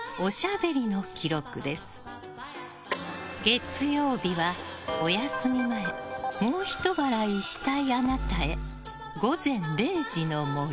月曜日は、お休み前もうひと笑いしたいあなたへ。